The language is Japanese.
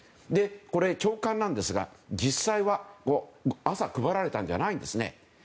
これ、朝刊なんですが実際は朝配られたんじゃないですね。